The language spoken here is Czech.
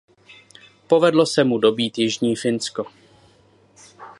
Povedlo se mu dobýt jižní Finsko.